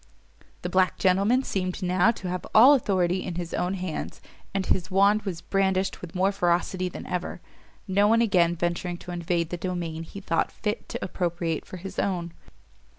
The black gentleman seemed now to have all authority in his own hands, and his wand was brandished with more ferocity than ever, no one again venturing to invade the domain he thought fit to appropriate for his own.